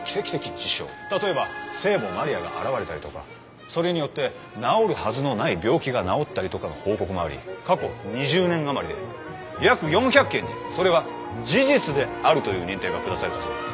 例えば聖母マリアが現れたりとかそれによって治るはずのない病気が治ったりとかの報告もあり過去２０年余りで約４００件にそれが事実であるという認定が下されたそうだ。